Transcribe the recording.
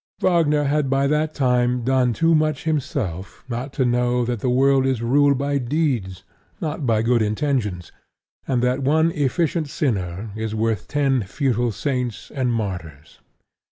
Wagner had by that time done too much himself not to know that the world is ruled by deeds, not by good intentions, and that one efficient sinner is worth ten futile saints and martyrs.